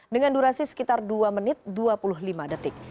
dengan durasi sekitar dua menit dua puluh lima detik